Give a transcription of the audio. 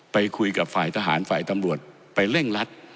ไปคุยกับฝ่ายทหารฝ่ายตำรวจไปเร่งรัด